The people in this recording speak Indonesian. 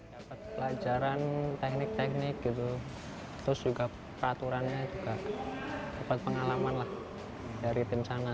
dapat pelajaran teknik teknik gitu terus juga peraturannya juga dapat pengalaman lah dari tim sana